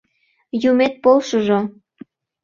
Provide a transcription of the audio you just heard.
— Юмет полшыжо!